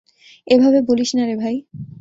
এভাবে বলিস নারে ভাই!